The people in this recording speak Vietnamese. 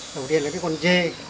đầu tiên là con dê